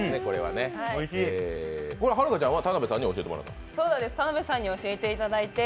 はるかちゃんは田辺さんに教えてもらったの？